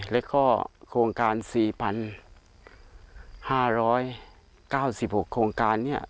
แล้วก็โครงการ๔๕๙๖โครงการเนี่ย